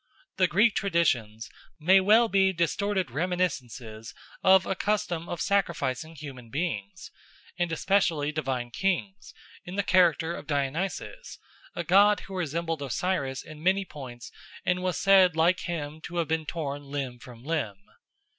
The Greek traditions may well be distorted reminiscences of a custom of sacrificing human beings, and especially divine kings, in the character of Dionysus, a god who resembled Osiris in many points and was said like him to have been torn limb from limb.